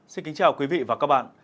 xin kính chào quý vị và các bạn